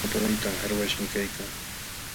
Pinawpa waytan qarmaśhmi kaykan.